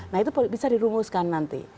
nah itu bisa dirumuskan nanti